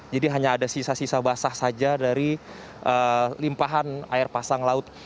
jadi hanya ada sisa sisa basah saja dari limpahan air pasang laut